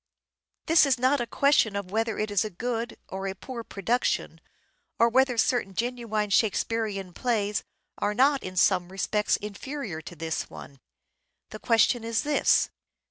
This is not a question of whether it is a good or a poor production, or whether certain genuine Shake spearean plays are not in some respects inferior to this one. The question is this.